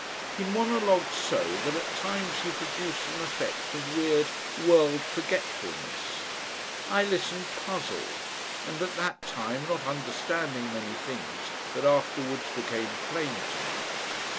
He monologued so that at times he produced an effect of weird world forgetfulness. I listened puzzled, and at that time not understanding many things that afterwards became plain to me.